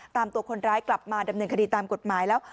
ตามตัวคนร้ายกลับมาดำเนินคดีตามกฎหมายแล้ว